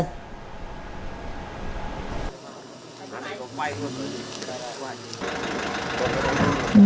nam tây nguyên